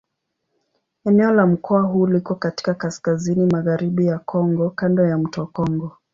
Eneo la mkoa huu liko katika kaskazini-magharibi ya Kongo kando ya mto Kongo.